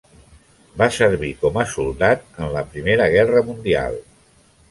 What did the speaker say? Va servir com a soldat en la Primera Guerra Mundial.